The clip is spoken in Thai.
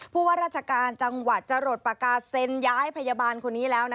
ว่าราชการจังหวัดจะหลดปากกาเซ็นย้ายพยาบาลคนนี้แล้ว